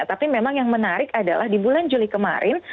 tapi memang yang menarik adalah di bulan juli kemarin